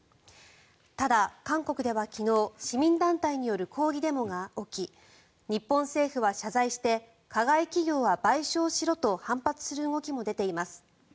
ただ、韓国では昨日市民団体による抗議デモが起き日本政府は謝罪して加害企業は賠償しろと反発する動きも出ています。